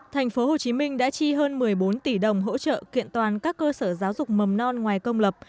tp hcm đã chi hơn một mươi bốn tỷ đồng hỗ trợ kiện toàn các cơ sở giáo dục mầm non ngoài công lập